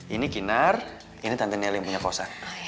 ini kinar ini tante nelly yang punya kosan